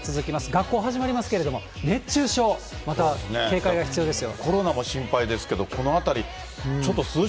学校始まりますけれども、熱中症、また警戒が必要ですよ。